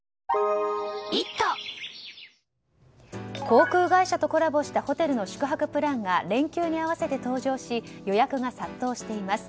航空会社とコラボしたホテルの宿泊プランが連休に合わせて登場し予約が殺到しています。